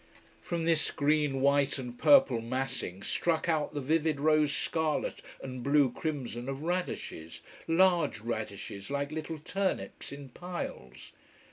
From this green, white, and purple massing struck out the vivid rose scarlet and blue crimson of radishes, large radishes like little turnips, in piles.